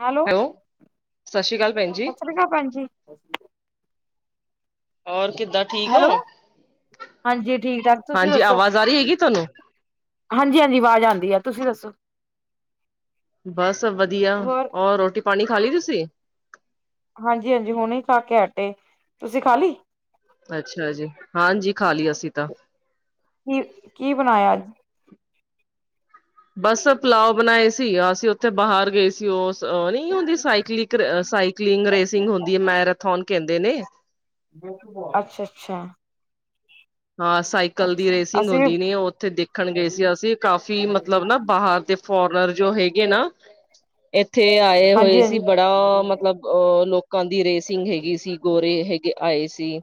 Hello, ਸਤਿ ਸ਼੍ਰੀ ਅਕਾਲ ਭੈਣ ਜੀ। ਸਤਿ ਸ੍ਰੀ ਅਕਾਲ ਭੈਣ ਜੀ। ਹੋਰ, ਕਿੱਦਾਂ ਠੀਕ ਔ, ਹੈਲੋ, ਹਾਂਜੀ ਠੀਕ ਠਾਕ ਤੁਸੀਂ ਹਾਂਜੀ ਆਵਾਜ਼ ਆ ਰੀ ਹੈਗੀ ਤੁਹਾਨੂੰ। ਹਾਂਜੀ-ਹਾਂਜੀ, ਆਵਾਜ਼ ਆਂਦੀ ਹੈ, ਤੁਸੀਂ ਦੱਸੋ। ਬਸ ਵਧੀਆ, ਹੋਰ ਔਰ ਰੋਟੀ-ਪਾਣੀ ਖਾ ਲੀ ਤੁਸੀਂ। ਹਾਂਜੀ-ਹਾਂਜੀ, ਹੁਣੇ ਖਾ ਕੇ ਹਟੇ, ਤੁਸੀਂ ਖਾਲੀ। ਅੱਛਾ ਜੀ, ਹਾਂਜੀ, ਖਾ ਲੀ ਅਸੀਂ ਤਾਂ। ਕੀ-ਕੀ, ਬਣਾਇਆ ਅੱਜ। ਬਸ ਪੁਲਾਯੋ ਬਣਾਏ ਸੀ, ਅਸੀਂ ਉੱਥੇ ਬਾਹਰ ਗਏ ਸੀ। ਜੀ ਔ ਨੀ ਹੁੰਦੀ, ਸਾਈਕਲ, ਸਾਈਕਲਿੰਗ ਰੇਸਿੰਗ, ਹੁੰਦੀ ਐ, ਮੈਰਾਥੋਨ ਕੈਂਹਦੇ ਨੇ। ਅੱਛਾ-ਅੱਛਾ। ਹਾਂ ਸਾਈਕਲ ਦੀ ਰੇਸਿੰਗ ਹੁੰਦੀ ਨੀ ਐ, ਔਥੇ ਦੇਖਣ ਗੇ ਸੀ, ਅਸੀਂ ਕਾਫ਼ੀ ਮਤਲਬ ਨਾ ਬਾਹਰ ਦੇ ਫੋਰਨਰ ਜੋ ਹੈਗੇ ਨਾ, ਏਥੇ ਆਏ ਹੋਏ ਹਾਂਜੀ ਸੀ, ਹਾਂਜੀ ਬੜਾ ਮਤਲਬ ਅ ਲੋਕਾਂ ਦੀ ਰੇਸਿੰਗ ਹੈਗੀ ਸੀ, ਗੋਰੇ ਹੈਗੇ ਆਏ ਸੀ।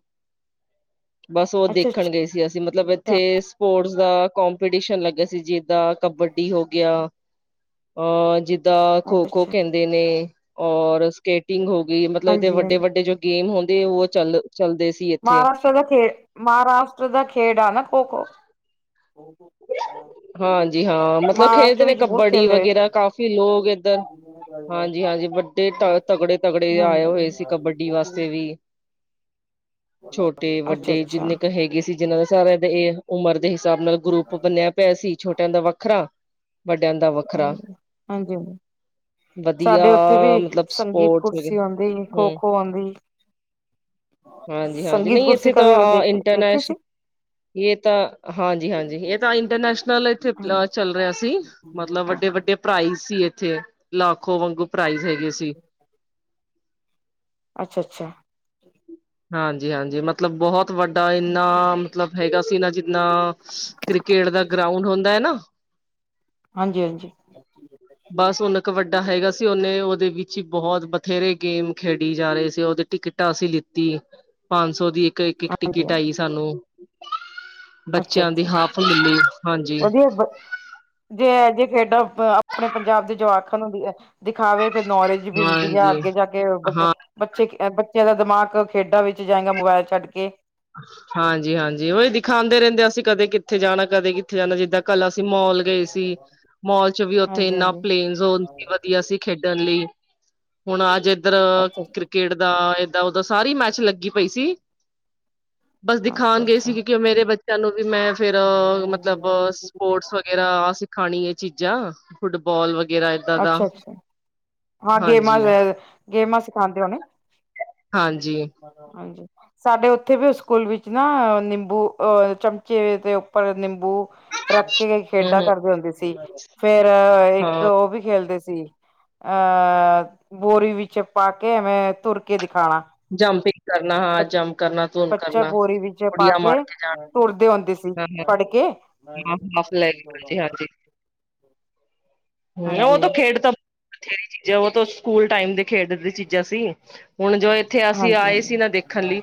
ਬਸ ਔ ਦੇਖ ਅੱਛਾ ਅੱਛਾ ਗਏ ਸੀ, ਅਸੀਂ ਮਤਲਬ ਏੱਥੇ ਸਪੋਰਟਸ ਦਾ ਕੋਂਪੀਟੀਸ਼ਨ ਲੱਗੇਆ ਸੀ, ਜਿੱਦਾਂ ਕਬੱਡੀ ਹੋ ਗਿਆ ਅ ਜਿੱ। ਦਾ ਅੱਛਾ ਖੋ-ਖੋ ਅੱਛਾ ਕੈਂਹਦੇ ਨੇ, ਔਰ ਸਕੇਟਿੰਗ ਹੋ ਗਈ, ਮਤਲਬ ਦੇ ਹਾਂਜੀ ਹਾਂਜੀ ਵੱਡੇ-ਵੱਡੇ ਜੋ ਗੇਮ ਹੁੰਦੀ ਏ, ਔ ਚੱਲ ਚਲਦੇ ਸੀ। ਇੱਥੇ ਮਹਾਰਾਸ਼ਟਰ ਦਾ ਖੇ, ਮਹਾਰਾਸ਼ਟਰ ਦਾ ਖੇਡ ਆ ਨਾ ਖੋ-ਖੋ। ਹਾਂਜੀ, ਹਾਂ ਮਤਲਬ, ਮਹਾਰਾਸ਼ਟਰ ਖੇਡਦੇ ਨੇ ਵਿੱਚ ਬਹੁਤ ਕਬੱਡੀ ਖੇਲਦੇ ਵਗੈਰਾ ਕਾਫ਼ੀ ਲੋਕ ਏੱਧਰ ਹਾਂਜੀ-ਹਾਂਜੀ, ਵੱਡੇ ਤ ਤਗੜੇ-ਤਗੜੇ ਆਏ ਹੋਏ ਹਾਂਜੀ ਸੀ, ਕਬੱਡੀ ਵਾਸਤੇ ਵੀ। ਅੱਛਾ ਛੋਟੇ-ਵੱਡੇ ਅੱਛਾ ਜਿੰਨੇ ਕ ਹੈਗੇ ਸੀ, ਜਿਨਾਂ ਦੇ ਸਾਰਿਆਂ ਦੇ ਏ ਉਮਰ ਦੇ ਹਿਸਾਬ ਨਾਲ, ਗਰੁੱਪ ਬਣਿਆ ਪਯਾ ਸੀ, ਛੋਟਿਆਂ ਦਾ ਵੱਖਰਾ, ਵੱਡਿਆਂ ਦਾ ਵੱਖਰਾ ਹਾਂਜੀ ਹਾਂਜੀ ਵਧੀਆ, ਸਾਡੇ ਉੱਥੇ ਵੀ ਮਤਲਬ, ਸੰਗੀਤ ਸਪੋਰਟਸ ਹੈਗੇ ਕੁਰਸੀ ਆਉਂਦੀ ਹੁ। ਖੋ-ਖੋ ਆਉਂਦੀ ਹਾਂਜੀ-ਹਾਂਜੀ, ਸੰਗੀਤ ਨਈ ਕੁਰਸੀ ਏੱਥੇ ਤਾਂ ਕਦੇ ਆਂ ਦੇਖੀ ਸੀ ਇੰਟਰਨੈਸ਼ਨਲ ਏ ਤਾਂ ਹਾਂਜੀ-ਹਾਂਜੀ, ਏ। ਤਾਂ ਇੰਟਰਨੈਸ਼ਨਲ ਏੱਥੇ ਚੱਲ ਰਿਆ ਸੀ, ਮਤਲਬ ਵੱਡੇ ਵੱਡੇ ਪ੍ਰਾਈਜ਼ ਸੀ ਏੱਥੇ। ਲਾਖੋ ਵਾਂਗੂ ਪ੍ਰਾਈਜ਼ ਹੈਗੇ ਸੀ। ਅੱਛਾ ਅੱਛਾ ਹਾਂਜੀ ਹਾਂਜੀ ਮ ਮਤਲਬ ਬਹੁਤ ਵੱਡਾ ਇੰਨਾ, ਮਤਲਬ ਹੈਗਾ ਸੀ ਨਾ ਜਿੰਨਾ ਕ੍ਰਿਕੇਟ ਦਾ ਗਰਾਉਂਡ ਹੁੰਦਾ ਹੈ ਨਾ ਹਾਂਜੀ ਹਾਂਜੀ ਹਮ [inaudible] ਬਸ ਉਹਨ ਕ ਵੱਡਾ ਹੈਗਾ ਸੀ, ਉਹਨੇ ਉਹਦੇ ਵਿੱਚ ਹੀ ਬਹੁਤ ਬਥੇਰੇ ਗੇਮ ਖੇਡੀ ਜਾ ਰਹੇ ਸੀ ਉਹਦੇ ਟਿਕਟ ਟਿਕਟ ਅਸੀ ਲਿੱਤੀ ਪੰਜ ਸੌ ਦੀ ਇੱਕ ਇਕ ਇੱਕ ਟਿਕਟ ਹਾਂਜੀ-ਹਾਂਜੀ ਆਈ ਸਾਨੂੰ, ਬੱਚਿਆਂ ਦੀ ਅੱਛਾ-ਅੱਛਾ ਹਾਫ ਮਿਲੀ ਹਾਂਜੀ ਵਧੀਆ ਬ ਜੇ ਇਹ ਜਿਹੇ ਖੇਡਾਂ ਆਪਣੇ ਪੰਜਾਬ ਦੇ ਜਵਾਕਾਂ ਨੂੰ ਦਿਖਾਵੇ ਫਿਰ ਨੌਲੇਜ ਮਿਲਦੀ ਆ ਹਾਂਜੀ ਅੱਗੇ ਜਾ ਕੇ ਬ ਹਾਂ ਬੱਚੇ ਬੱਚਿਆਂ ਦਾ ਦਿਮਾਗ ਖੇਡਾਂ ਵਿੱਚ ਜਾਏਗਾ, ਮੋਬਾਇਲ ਛੱਡ ਕੇ। ਹਾਂਜੀ-ਹਾਂਜੀ, ਉਹੀ ਦਿਖਾਉਂਦੇ ਰਹਿੰਦੇ ਅਸੀਂ ਕਦੇ ਕਿੱਥੇ ਜਾਣਾ- ਕਦੇ ਕਿੱਥੇ ਜਾਂਦਾ, ਜਿੱਦਾਂ ਕੱਲ ਅਸੀਂ ਮੋਲ ਗਏ ਸੀ ਮੋਲ ਚ ਵੀ ਉੱਥੇ ਇੰਨਾ ਹਾਂਜੀ-ਹਾਂਜੀ ਪਲੇਨ ਜ਼ੋਨ ਸੀ, ਵਧੀਆ ਸੀ ਖੇਡਣ ਲਈ, ਹੁਣ ਅੱਜ ਇੱਧਰ ਅੱਛਾ-ਅੱਛਾ ਕ੍ਰਿਕਟ ਦਾ ਤਾਂ ਉਦੋਂ ਸਾਰੀ ਮੈਚ ਲੱਗੀ ਪਈ ਸੀ। ਬਸ ਦਿਖਾਉਣ ਗਏ ਸੀ, ਅੱਛਾ-ਅੱਛਾ ਕਿਉਂਕਿ ਉਹ ਮੇਰੇ ਬੱਚਿਆਂ ਨੂੰ ਵੀ ਮੈਂ ਫੇਰ ਮਤਲਬ ਸਪੋਰਟਸ ਵਗੈਰਾਹ ਸਿਖਾਣੀ ਇਹ ਚੀਜ਼ਾਂ ਫੁੱਟਬਾਲ ਵਗੈਰਾ ਇੱਦਾਂ ਦਾ ਅੱਛਾ-ਅੱਛਾ ਹਾਂ, ਗੇਮਾਂ ਹਾਂਜੀ ਗੇਮਾਂ ਸਿਖਾਂਦੇ ਹੋਨੇ, ਹਾਂਜੀ ਹਾਂਜੀ। ਸਾਡੇ ਉੱਥੇ ਵੀ ਸਕੂਲ ਵਿੱਚ ਨਾ ਨਿੰਬੂ ਅ ਚਮਚੇ ਦੇ ਉੱਪਰ ਨਿੰਬੂ ਰੱਕ ਗ ਹੂੰ ਖੇਡਾਂ ਹੂੰ ਕਰਦੇ ਹੁੰਦੇ ਸੀ। ਫੇਰ ਇੱਕ ਹਾਂ ਉਹ ਵੀ ਖੇਲਦੇ ਸੀ, ਅ ਬੋਰੀ ਵਿੱਚ ਪਾ ਕੇ ਐਵੇਂ ਤੁਰ ਕੇ ਦਿਖਾਣਾ। ਜੰਪ ਹੀ ਕਰਨਾ। ਹਾਂ, ਬ ਜੰਪ ਕਰਨਾ, ਧੁੰਨ ਬੱਚਾ ਕਰਨਾ ਬੋਰੀ ਵਿੱਚ ਪਾ ਕੁੜੀਆਂ ਮਾਰ ਕੇ ਤੁਰਦੇ ਹੁੰਦੇ ਸੀ ਜਾਣ ਫੜ ਕੇ [unintelligible] ਹਮ ਉਹ ਹਾਂਜੀ ਤਾਂ ਖੇਡ ਤਾਂ ਬਥੇਰੀ ਚੀਜ਼ ਹੈ, ਉਹ ਸਕੂਲ ਟਾਈਮ ਦੇ ਖੇਡ ਦੀ ਚੀਜ਼ਾਂ ਸੀ, ਹੁਣ ਜੋ ਇੱਥੇ ਅਸੀਂ ਹਾਂਜੀ ਆਏ ਸੀ ਹਾਂਜੀ ਨਾ ਦੇਖਣ ਲਈ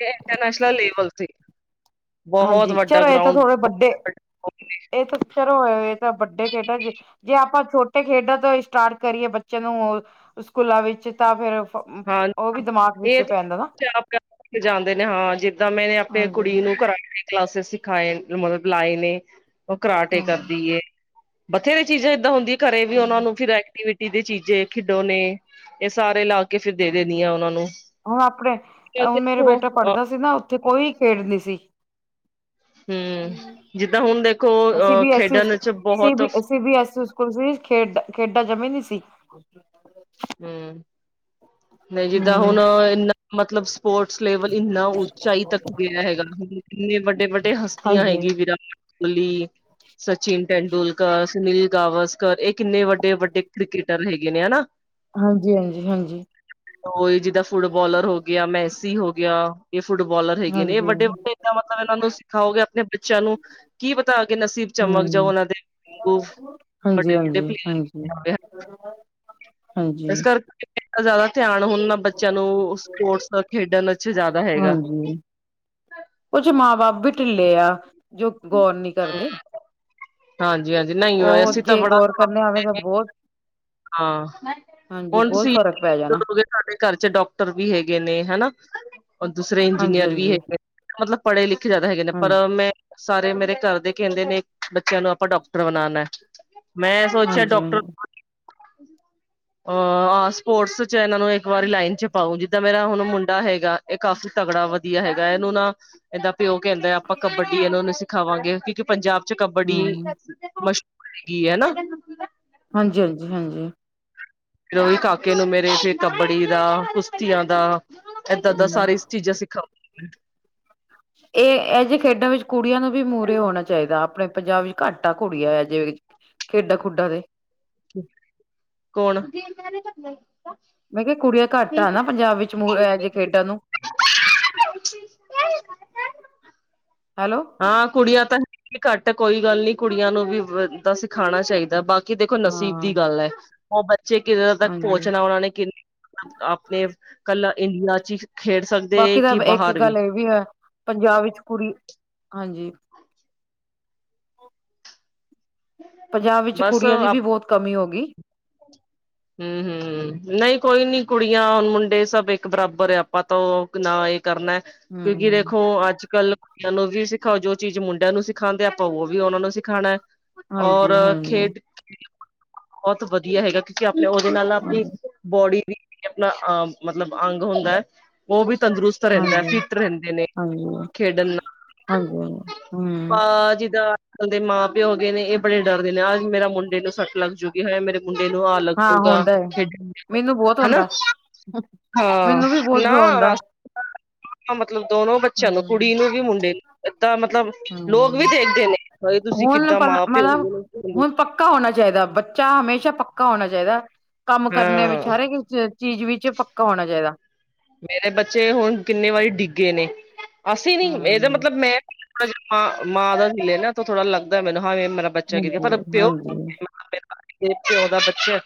ਇਹ ਇੰਟਰਨੈਸ਼ਨਲ ਲੈਵਲ ਤੇ। ਹਾਂਜੀ, ਚਲੋ ਇਹ ਤਾਂ ਥੋੜੇ ਵੱਡੇ ਇਹ ਤਾਂ ਚਲੋ ਇਹ ਤਾਂ ਵੱਡੇ ਕੇਹਡਾ ਜੇ ਜੇ ਆਪਾਂ ਛੋਟੇ ਖੇਡਾਂ ਤੋਂ ਸਟਾਰਟ ਕਰੀਏ ਬੱਚੇ ਨੂੰ ਸਕੂਲਾਂ ਵਿੱਚ ਤਾਂ ਫੇਰ ਹਾਂ, ਉਹ ਵੀ ਦਿਮਾਗ ਵਿੱਚ ਇਹ ਪੈਂਦਾ ਨਾ ਤੇ [unintelligible] ਜਾਂਦੇ ਨੇ ਹਾਂ ਜਿੱਦਾਂ ਮੈਂਨੇ ਅਪ ਆਪਣੇ ਹਾਂਜੀ ਕੁੜੀ ਨੂੰ ਕਰਾਟੇ ਦੇ ਕਲਾਸਿਸ ਸਿਖਾਏ ਨੇ ਮਤਲਬ ਲਾਏ ਨੇ, ਉਹ ਕਰਾਟੇ ਹਾਂਜੀ ਕਰਦੀ ਏ। ਬਥੇਰੇ ਚੀਜ਼ਾਂ ਏਦਾਂ ਹੁੰਦੀਆਂ ਘਰੇ ਵੀ ਉਹਨਾ ਹਾਂਜੀ ਨੂੰ ਫਿਰ ਐਕਵੀ ਟੀ ਦੇ ਚੀਜੇ ਖਿਡੋ ਨੇ ਇਹ ਸਾਰੇ ਲਾ ਕੇ ਫਿਰ ਦੇ ਦੇਨੀ ਆ ਉਹਨਾਂ ਨੂੰ। ਹੁਣ ਆਪਣੇ ਹੁਣ ਮੇਰਾ ਦੇਖੋ ਬੇਟਾ ਅ ਪੜ੍ਹਦਾ ਸੀ ਨਾ ਉੱਥੇ ਕੋਈ ਖੇਡ ਨਹੀਂ ਸੀ। ਹੂੰ ਜਿੱਦਾਂ ਹੁਣ ਦੇਖੋ ਅਸੀਂ ਅ ਵੀ ਐਸੀ ਖੇਡਣ ਚ ਸੀ ਬਹੁਤ ਬੀ ਸੀ ਬੀ ਐਸ ਤੁਸੀ ਖੇਡ ਖੇਡਾਂ ਜਮਾ ਨੀ ਸੀ। ਹਮ, ਨਹੀਂ ਜਿੱਦਾਂ ਹਮ ਹੁਣ ਇੰਨਾ ਮਤਲਬ ਸਪੋਰਟਸ ਲੇਵਲ ਇੰਨਾ ਉਚਾਈ ਤੱਕ ਗਿਆ ਹੈਗਾ ਹ ਕਿੰਨੇ ਵੱਡੇ ਵੱਡੇ ਹਸਤੀਆਂ ਹਾਂਜੀ ਹੈਗੀ ਵਿਰਾਟ ਕੋਲੀ, ਸਚਿਨ ਤੇੈਂਡੁਲਕਰ, ਸੁਨੀਲ ਗਾਵਸ ਇਹ ਕਿੰਨੇ ਵੱਡੇ ਵੱਡੇ ਕ੍ਰਿਕਟਰ ਹੈਗੇ ਨੇ ਹਨਾ? ਹਾਂਜੀ, ਹਾਂਜੀ, ਹਾਂਜੀ। ਉਹੀ ਜਿੱਦਾਂ ਫੁੱਟਬਾਲਰ ਹੋ ਗਿਆ, ਮੈਸੀ ਹੋ ਗਿਆ, ਇਹ ਫੁਟਬਾਲਰ ਹੈਗੇ ਨੇ ਇਹ ਹਾਂਜੀ ਵੱਡੇ ਵੱਡੇ ਏਦਾਂ ਮਤਲਬ ਇਹਨਾਂ ਨੂੰ ਖਾਓਗੇ ਆਪਣੇ ਬੱਚਿਆਂ ਨੂੰ ਕੀ ਪਤਾ ਅਗੇ ਨਸੀਬ ਚਮਕ ਜਾਓ ਹਮ ਉਹਨਾਂ ਦੇ ਹਾਂਜੀ ਵੱਡੇ-ਵੱਡੇ ਹਾਂਜੀ ਹਾਂਜੀ ਪਲੇਅਰ [inaudible] ਇਸ ਹਾਂਜੀ ਕਰਕੇ ਦਾ ਜ਼ਿਆਦਾ ਧਿਆਨ ਹੁਣ ਨਾ ਬੱਚਿਆਂ ਨੂੰ ਸਪੋਰਟਸ ਖੇਡਣ ਚ ਜ਼ਿਆਦਾ ਹੈਗਾ ਹਾਂਜੀ, ਉਜ ਮਾਂ-ਬਾਪ ਵੀ ਢਿੱਲੇ ਆ। ਜੋ ਗੌਰ ਨੀ ਕਰਦੇ। ਹਾਂਜੀ-ਹਾਂਜੀ ਨਹੀਂ ਵਾ ਅਸੀਂ ਤਾਂ ਬੜਾ ਆਵੇਂ ਤਾਂ ਬਹੁਤ- ਹਾਂ, ਹਾਂਜੀ ਹੁਣ ਬਹੁਤ ਤੁਸੀਂ ਫ਼ਰਕ ਪੈ [inaudible] ਜਾਣਾ ਸਾਡੇ ਘਰ ਚ ਡਾਕਟਰ ਵੀ ਹੈਗੇ ਨੇ ਹਨਾ? ਔਰ ਦੂਸਰੇ ਹਾਂਜੀ ਇੰਜੀਨੀਅਰ ਵੀ ਹਾਂਜੀ। ਹੈਗੇ ਨੇ, ਮਤਲਬ ਪੜੇ ਲਿਖੇ ਜਾਦਾ ਹੈਗੇ ਨੇ ਪਰ ਹਾਂਜੀ ਮੈਂ ਸਾਰੇ ਮੇਰੇ ਘਰ ਦੇ ਕੈਂਦੇ ਨੇ ਬੱਚੇਆਂ ਨੂੰ ਆਪਾਂ ਡੋਕਟਰ ਬਨਾਨਾ। ਮੈਂ ਸੋਚੇਆ ਹਾਂਜੀ ਡੋਕਟਰ ਹਾਂਜੀ ਅ ਆ ਸਪੋਰਟਸ ਚ ਏਨਾਂ ਨੂੰ ਇੱਕ ਵਾਰੀ ਲਾਈਨ ਚ ਪਾਓ ਜਿੱਦਾਂ ਮੇਰਾ ਹੁਨ ਮੁੰਡਾ ਹੈਗਾ ਏ ਕਾਫ਼ੀ ਤਗੜਾ ਵਦੀਆ ਹੈਗਾ ਏਨੂੰ ਨਾ ਏਦਾ ਪਿਓ ਕੈਂਦਾ ਆਪਾਂ ਕਬੱਡੀ ਐ ਓਨੂੰ ਸਿਖਾਵਾਂਗੇ ਕਿਓਂਕਿ ਪੰਜਾਬ ਚ ਕਬੱਡੀ ਹਮ ਮਸ਼ ਹੈਗੀ ਐ ਨਾ, ਤੈਨੂੰ ਕੀ ਹੁੰਦਾ ਹਾਂਜੀ-ਹਾਂਜੀ-ਹਾਂਜੀ। ਫੇਰ ਓਈ ਕਾਕੇ ਨੂੰ ਮੇਰੇ ਫਿਰ ਕੱਬੜੀ ਦਾ ਕੁਸ਼ਤੀਆਂ ਦਾ ਏਦਾਂ-ਏਦਾਂ ਹਮ ਸਾਰੀ ਚੀਜ਼ਾਂ ਸਿੱਖਾਊਂਂ। ਏ ਐਈ ਜੀ ਖੇਡਾਂ ਵਿੱਚ ਕੁੜੀਆਂ ਨੂੰ ਵੀ ਮੂਰੇ ਹੋਨਾ ਚਾਈਦਾ ਆਪਨੇ ਪੰਜਾਬ ਵਿੱਚ ਘੱਟ ਐ ਕੁੜੀਆਂ ਹਜੇ ਵੀ ਖੇਡਾਂ ਖੂਡਾਂ ਦੇ ਕੋਨ ਜਿਨਾਂ ਦੇ [unintelligible] ਆਈ ਮੈਂ ਕਿਆ ਕੁੜੀਆਂ ਘੱਟ ਆ ਨਾ ਪੰਜਾਬ ਵਿੱਚ ਮੂਰੇ ਐਓ ਜੀ ਖੇਡਾਂ ਨੂੰ। [inaudible] ਹੈਲੋ, ਹਾਂ ਕੁੜੀਆਂ ਤਾਂ ਹੈਗੀ ਘੱਟ ਐ ਕੋਈ ਗੱਲ ਨੀ ਕੁੜੀਆਂ ਨੂੰ ਬਨਦਾ ਸਿਖਾਨਾ ਚਾਈਦਾ ਬਾ ਕੀ ਦੇਖੋ ਨਸੀਬ ਹਾਂ ਦੀ ਗੱਲ ਐ ਓ ਬੱਚੇ ਕਿਦੋਂ ਤੱਕ ਹਾਂਜੀ ਪਹੁੰਚਨਾ ਓਨਾਂ ਨੇ ਕਿੰਨ ਆਪਨੇ ਕੱਲਾ ਇੰਡੀਆ ਚੀ ਬਾਕੀ ਤਾਂ ਇੱਕ ਗੱਲ ਏ ਵੀ ਐ, ਪੰਜਾਬ ਵਿੱਚ ਕੁੜੀ ਹਾਂਜੀ। ਪੰਜਾਬ ਵਿੱਚ ਬਸ ਕੁੜੀਆਂ ਦੀ ਵੀ ਬੋਤ ਕਮੀ ਹੋਗੀ। ਹੂੰ-ਹੂੰ ਨਈਂ ਕੋਈ ਨੀ ਕੁੜੀਆਂ ਹੁਨ ਮੁੰਡੇ ਸਬ ਇੱਕ ਬਰਾਬਰ ਐ ਆਪਾਂ ਤੋ ਇਕ ਨਾ ਏ ਕਰਨਾ ਕਿਓਂਕਿ ਹੂੰ, ਦੇਖੋ ਅੱਜ-ਕੱਲ ਲਲੋ ਵੀ ਸਿਖਾਓ ਜੋ ਚੀਜ਼ ਮੁੰਡਿਆਂ ਨੂੰ ਸਿਖਾਂਦੇ ਆਂ ਆਪਾਂ ਓ ਵੀ ਓਨਾ ਨੂੰ ਸਿਖਾਨਾ। ਔਰ ਹਾਂਜੀ-ਹਾਂਜੀ, ਖੇਤ ਖੇਲ ਬੋਤ ਵਦੀਆ ਹੈਗਾ ਕਿਓਂਕਿ ਆਪਨੇ ਓਦੇ ਨਾਲ ਆਪਨੀ ਹਾਂਜੀ, ਬੋਡੀ ਵੀ ਤੇ ਆਪਨਾ ਅਹ ਮਤਲਬ ਅੰਗ ਹੁੰਦਾ ਓ ਵੀ ਤੰਦਰੁਸਤ ਰੈਂਦਾ ਹਾਂਜੀ। ਫਿਟ ਰੈਂਦੇ ਨੇ ਹਾਂਜੀ, ਖੇਡਨ ਹਾਂਜੀ-ਹਾਂਜੀ, ਨਾਲ। ਹੂੰ, ਪਾ ਜਿੱਦਾਂ ਦੇ ਮਾਂ ਪਿਓ ਹੋ ਗਏ ਨੇ ਏ ਬੜੇ ਡਰਦੇ ਨੇ ਆਜ ਮੇਰਾ ਮੁੰਡੇ ਨੂੰ ਸੱਟ ਲੱਗਜੂਗੀ ਹਾਏ ਮੇਰੇ ਮੁੰਡੇ ਨੂੰ ਆ ਹਾਂ ਗਾ ਹੁੰਦਾ ਏ। ਖੇਡਨਗੇ ਓ ਮੈਨੂੰ ਬਹੁਤ ਹਨਾ ਹੁੰਦਾ, ਹਾਂ ਮੈਨੂੰ ਵੀ ਬਹੁਤ ਬੁਰਾ ਨਾਂ ਹੁੰਦਾ, ਬਸ ਏਦਾ ਮਤਲਬ ਦੋਨੋ ਬੱਚੇਆਂ ਨੂੰ ਹੂੰ। ਕੁੜੀ ਨੂੰ ਵੀ ਮੁੰਡੇ ਨੂੰ ਏਦਾਂ ਮਤਲਬ ਲੋਕ ਵੀ ਹੂੰ, ਦੇਖਦੇ ਨੇ ਭਾਈ ਤੁਸੀਂ ਹੁਣ ਕਿੱਦਾਂ ਪਰ ਮਾਂ-ਪਿਓ ਮਤਲਬ ਹੈਗੇ ਨੇ [unintelligible] ਹੁਣ ਪੱਕਾ ਹੋਨਾ ਚਾਈਦਾ ਬੱਚਾ ਹਮੇਸ਼ਾ ਪੱਕਾ ਹੋਨਾ ਚਾਈਦਾ, ਕੰਮ ਕਰਨੇ ਵਿੱਚ ਹਾਂ ਹਰੇਕ ਚੀਜ਼ ਵਿੱਚ ਪੱਕਾ ਹੋਨਾ ਚਾਈਦਾ। ਮੇਰੇ ਬੱਚੇ ਹੁਨ ਕਿੰਨੇ ਵਾਰੀ ਡਿੱਗੇ ਨੇ, ਅਸੀਂ ਨੀ ਏਦਾ ਹੂੰ। ਮਤਲਬ ਮੈਂ ਥੋੜਾ ਜਾ ਮਾਂ ਦਾ ਹੀਲੇ ਨਾ ਤੇ ਥੋੜਾ ਲੱਗਦਾ ਮੈਨੂੰ ਹਾਂ ਮੇਰਾ ਬੱਚਾ ਗਿਰੇ ਕੀ ਹਾਂਜੀ, ਪਰ ਪਿਓ ਹਾਂਜੀ, ਪਿਓ ਦਾ ਬੱਚੇ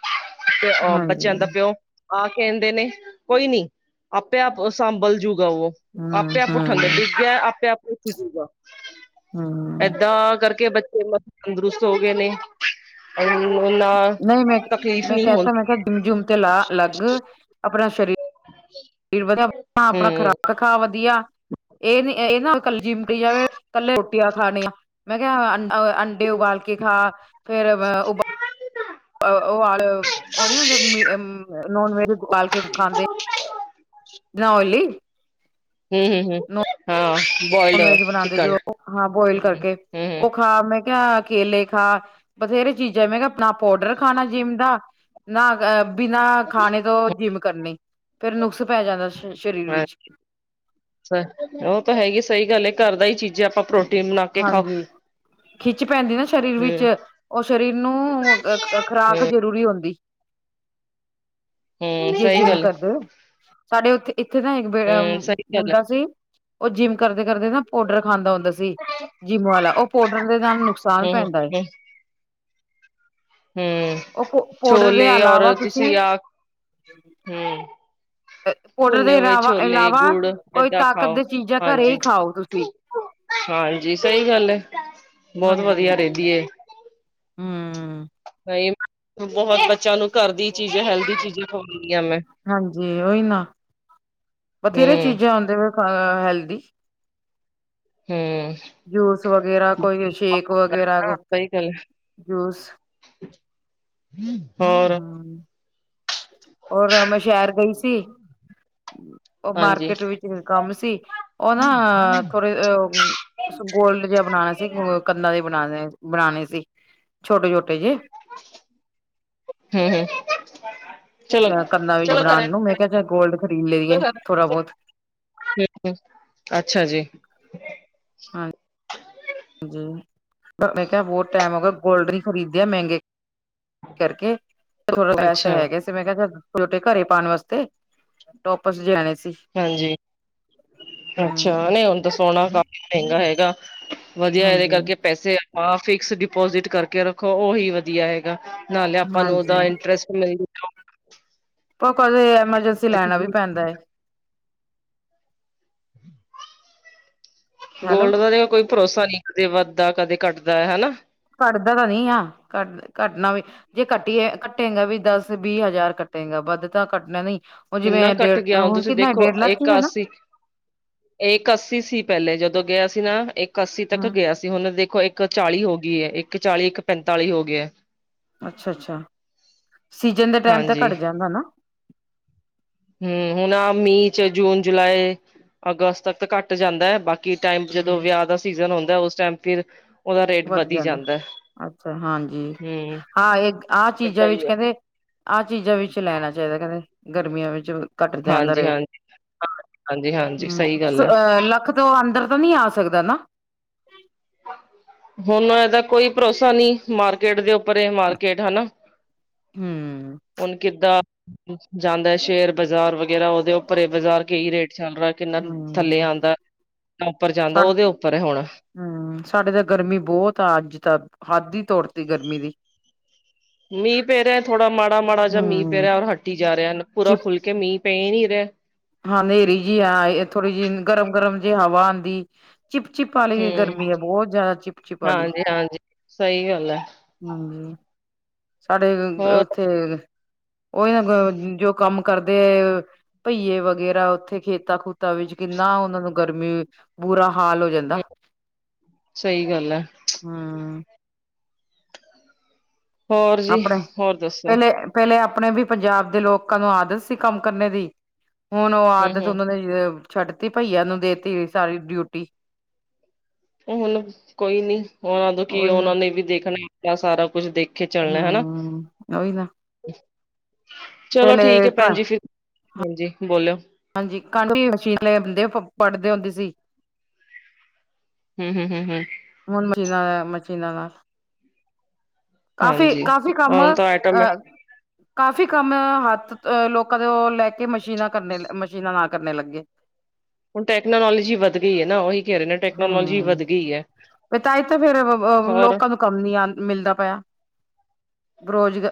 ਤੇ ਅ ਬੱਚੇਆਂ ਦਾ ਹਾਂਜੀ, ਪਿਓ ਆਹ ਕੈਂਦੇ ਨੇ ਕੋਈ ਨੀ ਆਪੇ ਆਪ ਸਾਂਬਲ ਜੂਗਾ ਓ। ਹੂੰ, ਆਪੇ ਆਪ ਉਠਾਂਦੇ ਹੂੰ, ਡਿੱਗਿਆ ਆਪੇ ਆਪ ਉਠਜੂਗਾ ਹੂੰ। ਏਦਾਂ ਕਰਕੇ ਕੇ ਬੱਚੇ ਮਤਲਬ ਤੰਦਰੁਸਤ ਹੋਗੇ ਨੇ। ਏਨੂੰ ਨਾ ਨਹੀਂ ਮੈਂ, ਤਕਲੀਫ਼ ਮੈਂ ਨੀ ਕਹਿਤਾ ਮੈਂ ਹੁੰਦੀ ਕਿਹਾ ਏ। ਜਿੰਮ ਜੁਮ ਤੇ ਲਾ ਲੱਗ ਆਗੀ। ਫੇਰ ਪਤਾ ਆਪਨਾ ਖਰਾਬ ਖਾ ਵਦੀਆ ਏ ਨੀ ਏ ਨਾ ਕੱਲੀ ਜਿਮਟੀ ਜਾਵੇ ਕੱਲੇ ਰੋਟੀਆਂ ਖਾਨੀਆਂ। ਮੈਂ ਕਿਆ ਅੰ ਓ ਅੰਡੇ ਉਬਾਲ ਕੇ ਖਾ ਫੇਰ ਬ ਉਬ ਓ ਆਰ ਓ ਨੀ ਹੁੰਦੇ ਮੀ ਅ ਨੋਨ ਵੈਜ ਚ ਉਬਾਲ ਕੇ ਖਾਂਦੇ। ਇਤ ਨਾਂ ਓਇਲੀ। ਹਂ, ਹਂ, ਹਂ। ਹਾਂ, ਨੋਨ ਬੋਇਲਡ ਵੈਜ ਬਣਾਉਂਦੇ ਚਿਕਨ ਜੋ ਹਾਂ ਬੋਇਲ ਹਂ, ਕਰਕੇ ਹਂ। ਉਹ ਖਾ ਮੈਂ ਕਿਆ ਕੇਲੇ ਖਾ। ਬਥੇਰੇ ਚੀਜ਼ਾਂ ਮੈਂ ਕਿਆ, ਆਪਣਾ ਪੋਡਰ ਖਾਣਾ ਜਿੰਮ ਦਾ। ਨਾਂਹ ਬਿਨਾਂ ਖਾਣੇ ਤੋਂ ਜਿੰਮ ਕਰਨੀ, ਫੇਰ ਨੁਕਸ ਪੈ ਜਾਂਦਾ ਸ਼ ਸਰੀਰ ਵਿੱਚ। ਓ ਤਾਂ ਹੈ ਈ ਏ ਸਈ ਗੱਲ ਏ, ਘਰ ਦਾ ਈ ਚੀਜ਼ਾਂ ਆਪਾਂ ਪਰੋ ਹਾਂਜੀ, ਖਿੱਚ ਪੈਂਦੀ ਨਾ ਸਰੀਰ ਵਿੱਚ। ਹਮ ਓ ਸਰੀਰ ਨੂੰ ਖ ਖ ਖਰਾਕ ਜ਼ਰੂਰੀ ਹੁੰਦੀ। ਹਮ-ਹਮ ਜੇ ਸਹੀ ਜਿੰਮ ਗੱਲ ਕਰਦੇ। ਸਾਡੇ ਉੱਥੇ ਇੱਥੇ ਤਾਂ ਇੱਕ ਅ ਹਮ ਸਹੀ ਗੱਲ ਮੁੰਡਾ ਹੈ ਸੀ। ਓ ਜਿੰਮ ਕਰਦੇ-ਕਰਦੇ ਨਾਂ ਪਾਊਡਰ ਖਾਂਦਾ ਹੁੰਦਾ ਸੀ। ਜਿੰਮ ਵਾਲਾ ਓ ਪਾਊਡਰ ਦੇ ਨਾਲ ਨੁਕਸਾਨ ਪੈਂਦਾ ਐ। ਹਂ, ਉਹ ਪਾਊਡਰ ਦੇ ਛੋਲੇ ਔਰ ਇਲਾਵਾ ਤੁਸੀਂ ਆ। ਹਂ। ਪਾਊਡਰ ਭੁੰਨੇ ਦੇ ਹੋਏ ਇਲਾਵਾ ਛੋਲੇ ਇਲਾਵਾ ਗੁੜ ਕੋਈ ਏਦਾਂ ਤਾਕਤ ਖਾਓ। ਦੇ ਚੀਜ਼ਾਂ ਘਰੇ ਹੀ ਹਾਂਜੀ। ਖਾਓ ਤੁਸੀਂ ਹਾਂਜੀ ਸਈ ਗੱਲ ਐ, ਬੋਤ ਵਧੀਆ ਰੇਂਦੀ ਏ। ਹਂ। ਨਈਂ, ਬੋਹਤ ਬੱਚਿਆਂ ਨੂੰ ਘਰ ਦੀ ਚੀਜ਼ ਹੈਲਦੀ ਚੀਜ਼ ਖਵਾਂਦੀ ਆਂ ਮੈਂ। ਹਾਂਜੀ ਓਈ ਨਾਂ ਬਥੇਰੇ ਹੂੰ ਚੀਜ਼ਾਂ ਹੁੰਦੇ ਵੇ ਆਅ ਹੈਲਦੀ। ਹਂ। ਜੂਸ ਵਗੈਰਾ, ਕੋਈ ਸ਼ੇਕ ਵਗੈਰਾ ਹੋ, ਸਹੀ ਗੱਲ ਜੂਸ। ਹੋਰ? ਹਮ ਔਰ ਮੈਂ ਸ਼ਹਿਰ ਗਈ ਸੀ। ਓ ਹਾਂਜੀ ਮਾਰਕੀਟ ਵਿੱਚ ਕੰਮ ਸੀ, ਓ ਨਾ ਥੋੜੇ ਓਂ ਗੋਲਡ ਜਿਆ ਬਣਾਣਾ ਸੀ, ਕੰਨਾਂ ਦੇ ਬਣਾਣੇ ਬਣਾਣੇ ਸੀ। ਛੋਟੇ-ਛੋਟੇ ਜੇ ਹਂ, ਹਂ। ਕੰਨਾ ਵਿੱਚ ਬਣਾਣ ਨੂੰ ਮੈਂ ਕਿਆ ਚੱਲ ਗੋਲਡ ਖਰੀਦ ਲਿਆਈਏ ਥੋੜਾ ਹੂੰ ਬੋਤ ਅੱਛਾ ਜੀ। ਪਰ ਮੈਂ ਕਿਆ, ਬੋਤ ਟੈਮ ਹੋ ਗਿਆ ਗੋਲਡ ਨੀਂ ਖਰੀਦਿਆ ਮੈਂਗੇ ਕਰਕੇ, ਥੋੜਾ ਪੈਸੇ ਅੱਛਾ ਹੈਗੇ ਸੀ ਤੇ ਮੈਂ ਕਿਆ ਚੱਲ, ਛੋਟੇ ਘਰੇ ਪਾਣ ਵਾਸਤੇ ਟੋਪਸ ਜੇ ਲੈਣੇ ਸੀ। ਹਾਂਜੀ, ਅੱਛਾ। ਹਮ ਨਈਂ ਹੁਣ ਤੇ ਸੋਣਾ ਕਾਫ਼ੀ ਮੈਂਗਾ ਹੈਗਾ। ਵਧੀਆ ਏਦੇ ਹਾਂਜੀ ਕਰਕੇ ਪੈਸੇ ਆਪਾਂ ਫਿਕਸ ਡਿਪੋਜਿਟ ਕਰਕੇ ਰੱਖੋ, ਓਹੀ ਵਧੀਆ ਹੈਗਾ। ਨਾਲੇ ਆਪਾਂ ਨੂੰ ਓਦਾ ਹਾਂਜੀ ਇੰਟਰਸਟ ਮਿੱਲ ਜੂ। ਪ ਕਦੇ ਐਮਰਜੰਸੀ ਅੱਛਾ ਜੀ। [unintelligible] ਹੈਲੋ ਗੋਲਡ ਦਾ ਤੇ ਕੋਈ ਭਰੋਸਾ ਨੀਂ ਕਦੇ ਵੱਧਦਾ, ਕਦੇ ਘੱਟਦਾ ਐ। ਹਨਾਂ? ਘੱਟਦਾ ਤਾਂ ਨਈਂ ਆ, ਘੱਟ ਘੱਟਨਾ ਵੀ ਜੇ ਕੱਟੀਏ ਕੱਟੇਗਾ ਵੀ ਦਸ, ਵੀਹ ਹਜ਼ਾਰ ਕੱਟੇਗਾ ਵੱਧ ਤਾਂ ਕੱਟਣਾ ਨਈਂ। ਕਿੰਨਾ ਜਿਵੇਂ ਘੱਟ ਡੇਡ, ਗਿਆ ਹੁਣ ਤੁਸੀਂ ਕਿੰਨਾ ਏ, ਦੇਖੋ ਡੇਢ ਲੱਖ ਈ ਐ ਨਾਂ? ਇਕ ਅੱਸੀ ਸੀ ਪੈਲੇ ਜਦੋਂ ਗਿਆ ਸੀ ਨਾ, ਇਕ ਅੱਸੀ ਤੱਕ ਹਮ ਗਿਆ ਸੀ। ਹੁਣ ਦੇਖੋ ਇੱਕ ਚਾਲੀ ਹੋ ਗਈ ਐ, ਇੱਕ ਚਾਲੀ ਇੱਕ ਪੈਂਤਾਲੀ ਹੋ ਗਿਆ। ਅੱਛਾ, ਅੱਛਾ। ਸੀਜਨ ਦੇ ਟੈਮ ਤੇ ਹਾਂਜੀ ਘੱਟ ਜਾਂਦਾ ਨਾਂ। ਹਂ, ਹੁਣ ਮੀਂਅ ਚ ਜੂਨ, ਜੁਲਾਈ, ਅਗਸਤ ਤੱਕ ਘੱਟ ਜਾਂਦਾ ਐ ਬਾਕ ਕਿ ਟਾਈਮ ਜਦੋਂ ਹਮ ਵਿਆਹ ਦਾ ਸੀਜਨ ਹੁੰਦਾ ਉਸ ਟਾਈਮ ਫਿਰ ਉਦਾ ਰੇਟ ਵਧੀ ਜਾਂਦਾ। ਅੱਛਾ ਹਾਂਜੀ ਹਮ ਹਾਂ, ਇੱਕ ਆਹ ਚੀਜ਼ਾਂ ਏਦਾਂ ਵਿੱਚ ਹੀ ਹੈ ਕਹਿੰਦੇ ਆਹ ਚੀਜ਼ਾਂ ਵਿੱਚ ਲੈਣਾ ਚਾਹੀਦਾ ਕਹਿੰਦੇ ਗਰਮੀਆਂ ਵਿੱਚ। ਘੱਟ ਜਾਂਦਾ ਹਾਂਜੀ ਰੇਟ ਹਾਂਜੀ ਹਾਂਜੀ ਹਾਂਜੀ ਹੂੰ ਸਹੀ ਗੱਲ ਹੈ ਅ ਲੱਖ ਤੋਂ ਅੰਦਰ ਤਾਂ ਨੀ ਆ ਸਕਦਾ ਨਾ ਹੁਨ ਏਦਾ ਕੋਈ ਭਰੋਸਾ ਨੀ ਮਾਰਕੀਟ ਦੇ ਉੱਪਰੇ ਮਾਰਕੀਟ ਹਨਾ। ਹੂੰ। ਹੁਣ ਕਿੱਦਾ ਜਾਂਦਾ ਸ਼ੇਅਰ ਬਾਜ਼ਾਰ ਵਗੈਰਾ, ਉਦੇ ਉਪਰ ਏ ਬਾਜ਼ਾਰ ਕਿ ਰੇਟ ਚਲ ਰਾ ਕਿੰਨਾ ਥੱਲੇ ਹਮ ਆਂਦਾ, ਕਿੰਨਾ ਉੱਪਰ ਜਾਂਦਾ, ਉਦੇ ਉਪਰ ਏ ਹੁਣ ਹਾਂ, ਸਾਡੇ ਤਾਂ ਗਰਮੀ ਬਹੁਤ ਆ ਅੱਜ ਤਾਂ, ਹੱਦ ਹੀ ਤੋੜਤੀ ਗਰਮੀ ਦੀ। ਮੀਂਹ ਪੈ ਰੇਹਾ, ਥੋੜਾ ਮਾੜਾ-ਮਾੜਾ ਜਿਆ ਮੀਂਹ ਪੈ ਹਮ ਰੇਹਾ ਔਰ ਹੱਟੀ ਜਾ ਰਿਹਾ, ਪੂਰਾ ਚਿਪ ਖੁੱਲ ਕੇ ਮੀਂਹ ਪੈ ਹੀ ਨੀ ਰੈਹਾ। ਹਾਂ, ਹਨੇਰੀ ਜਿਹੀ ਆਈ, ਐ ਥੋੜੀ ਜਿਹੀ ਗਰਮ-ਗਰਮ ਜਿਹੀ ਹਵਾ ਆਂਦੀ। ਚਿਪ-ਚਿਪ ਆਲੀ ਏ ਹੂੰ ਗਰਮੀ ਆ ਬਹੁਤ ਜ਼ਿਆਦਾ ਚਿਪ- ਚਿਪ ਆਲੀ। ਹਾਂਜੀ ਹਾਂਜੀ ਸਹੀ ਗੱਲ ਹੈ ਹਾਂਜੀ, ਸਾਡੇ ਹੋਰ [unintelligible] ਫੇਰ, ਓਹੀਓ ਜੋ ਕੰਮ ਕਰਦੇ ਆ ਭਹੀਏ ਵ ਵੇਰਾ ਓਥੇ ਖੇਤਾਂ-ਖੂਤਾਂ ਵਿੱਚ ਕਿੰਨਾ ਉਨਾਂ ਨੂੰ ਗਰਮੀ, ਬੁਰਾ ਹਾਲ ਹੋ ਜਾ ਹੂੰ, ਸਈ ਗੱਲ ਆ। ਹੂੰ। ਹੋਰ ਜੀ ਆਪਣੇ, ਹੋਰ ਦੱਸੋ ਪਹਿਲੇ-ਪਹਿਲੇ ਆਪਣੇ ਵੀ ਪੰਜਾਬ ਦੇ ਲੋਕਾਂ ਨੂੰ ਆਦਤ ਸੀ ਕੰਮ ਕਰਨੇ ਦੀ ਹੁਣ ਓ ਹੂੰ ਆਦਤ ਹੂੰ ਉਨਾਂ ਨੇ ਛੱਡਤੀ, ਭਈਆ ਨੂੰ ਦੇਤੀ ਸਾਰੀ ਡਿਊਟੀ ਹੁਣ, ਕੋਈ ਨੀ ਉਨਾਂ ਨੂੰ ਕੀ ਉਹੀ ਨਾ ਉਨਾਂ ਨੇ ਵੀ ਦੇਖਣਾ ਹੀ ਹੁੰਦਾ ਸਾਰਾ ਕੁਛ, ਦੇਖ ਕੇ ਚੱਲਨਾ ਹਨਾ। ਹਮ ਉਹੀ ਨਾ ਚਲੋ ਠੀਕ ਪਹਿਲੇ ਹੈ ਕ ਭੈਣ ਜੀ ਫਿਰ ਹਾਂਜੀ, ਬੋਲਓ। ਹਾਂਜੀ, ਕਟ ਮਸ਼ੀਨੇ ਹੁੰਦੇ ਆਪਾਂ ਪੜਦੇ ਹੁੰਦੇ ਸੀ। ਹੂੰ ਹੂੰ। ਹੁਣ ਮਸ਼ੀਨਾਂ ਦਾ ਮਸ਼ੀਨਾਂ ਨਾਲ ਕਾਫੀ-ਕਾਫੀ ਕੰਮ ਅਹ ਹੂੰ। ਕਾਫੀ, ਕੰਮ ਹੱਥ ਅ ਲੋਕਾਂ ਤੋਂ ਲੈ ਕੇ ਮਸ਼ੀਨਾਂ ਕਰਨੇ ਮਸ਼ੀਨਾਂ ਨਾਲ ਕਰਨੇ ਲੱਗੇ। ਹੁਣ ਟੈਕਨੋਲੋਜੀ ਵਧ ਗਈ ਆ, ਨਾ ਉਹੀ ਕਹਿ ਰਹੇ ਨੇ ਟੈਕਨੋਲੋਜੀ ਵੱਧ ਗਈ ਆ। ਫੇਰ ਤਾਈ ਤਾਂ ਫੇਰ, ਲੋਕਾਂ ਨੂੰ ਕੰਮ ਨੀ ਆ ਮਿਲਦਾ ਪਿਆ ਰੋਜ਼ਗ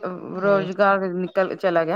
ਹਮ ਰੋਜ਼ਗਾਰ ਨਿਕਲ ਚਲਾ ਗਿਆ?